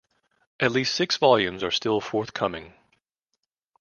At least six volumes are still forthcoming.